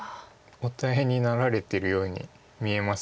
大変になられてるように見えます